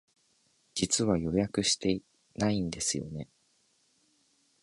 実は予約してないんですよね。